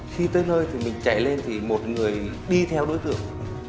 khi tới nơi thì mình chạy lên thì một người đi theo đối tượng